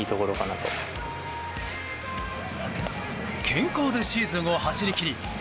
健康でシーズンを走り切り